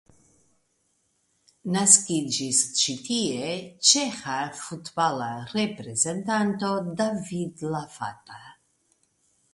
Naskiĝis ĉi tie ĉeĥa futbala reprezentanto David Lafata.